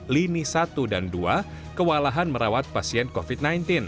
lini satu dan dua kewalahan merawat pasien covid sembilan belas